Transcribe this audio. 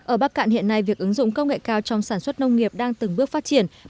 ở bắc cạn hiện nay việc ứng dụng công nghệ cao trong sản xuất nông nghiệp đang từng bước phát triển